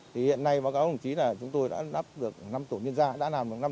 hiện nay báo cáo đồng chí là chúng tôi đã làm được năm tổ liên gia